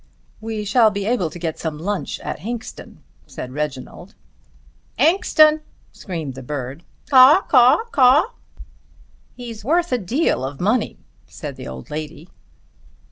"We shall be able to get some lunch at Hinxton," said Reginald. "Inxton," screamed the bird "Caw, caw caw." "He's worth a deal of money," said the old lady.